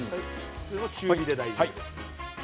普通の中火で大丈夫です。